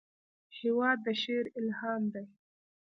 هېواد د شعر الهام دی.